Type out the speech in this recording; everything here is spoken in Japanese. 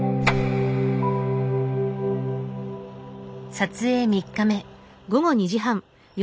撮影３日目。